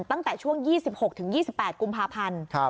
ตั้งแต่ช่วง๒๖๒๘กุมภาพันธ์